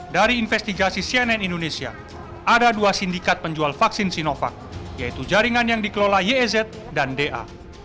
dari investigasi cnn indonesia ada dua sindikat penjual vaksin sinovac yaitu jaringan yang dikelola yez dan da